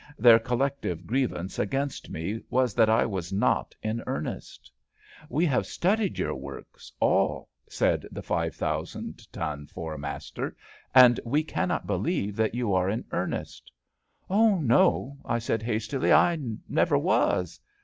Their collective grievance against me was that I was not in earnest. We have studied your works — ^all," said the five thousand ton four master, '* and we cannot believe that you are in earnest." '* Oh, no," I said hastily, I never was."